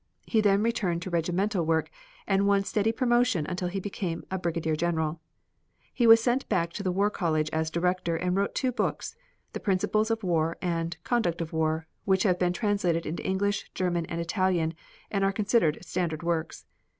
He then returned to regimental work and won steady promotion until he became brigadier general. He was sent back to the War College as Director and wrote two books, "The Principles of War" and "Conduct of War," which have been translated into English, German and Italian and are considered standard works.